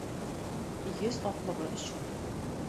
Йөз аклыгы өчен.